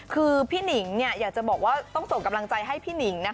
คือพี่หนิงอยากจะบอกว่าต้องส่งกำลังใจให้พี่หนิง